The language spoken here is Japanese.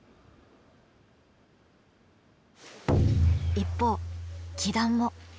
一方輝団も。